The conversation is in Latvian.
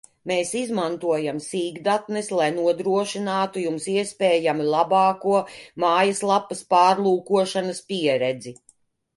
Mēs izmantojam sīkdatnes, lai nodrošinātu Jums iespējami labāko mājaslapas pārlūkošanas pieredzi